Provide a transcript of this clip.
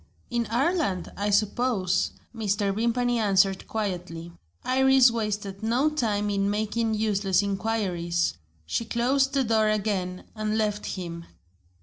"In Ireland, I suppose," Mr. Vimpany answered quietly. Iris wasted no time in making useless inquiries. She closed the door again, and left him.